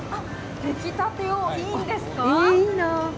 出来たてをいいんですか。